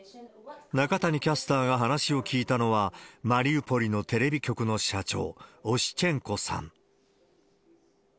中谷キャスターが話を聞いたのは、マリウポリのテレビ局の社長、オシチェンコさん。